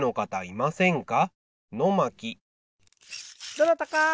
どなたか！